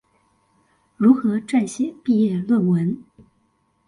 如何撰寫畢業論文